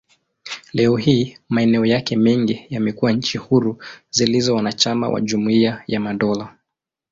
Leo hii, maeneo yake mengi yamekuwa nchi huru zilizo wanachama wa Jumuiya ya Madola.